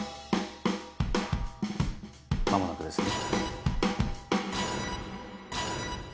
間もなくですね。